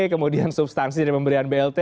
kemudian substansi dari pemberian blt